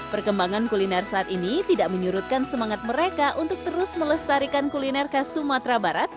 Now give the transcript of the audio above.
perkembangan kuliner saat ini tidak menyurutkan semangat mereka untuk terus melestarikan kuliner khas sumatera barat